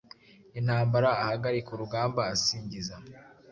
Intambara ahagarika urugamba asingiza